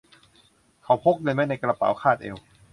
เขาพกเงินไว้ในกระเป๋าคาดเอว